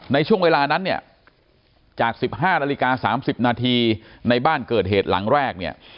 ในช่วงเวลานั้นเนี่ยจาก๑๕นาฬิกา๓๐นาทีในบ้านเกิดเหตุหลังแรกเนี่ย